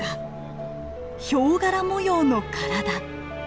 ヒョウ柄模様の体。